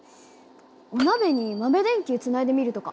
お鍋に豆電球つないでみるとか。